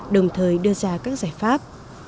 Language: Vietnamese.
đồng thời đưa ra các giải pháp